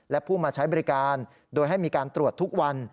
และผู้มาใช้บริการโดยให้มีการตรวจทุกวัน